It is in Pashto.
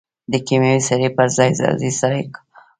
د کیمیاوي سرې پر ځای عضوي سره کارول کیږي.